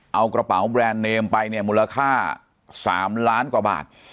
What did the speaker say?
เอากระเป๋าแบรนด์เนมไปเนี่ยมูลค่า๓ล้านกว่าบาท